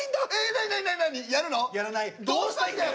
どうしたいんだよ！